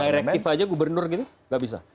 kalau direktif aja gubernur gitu nggak bisa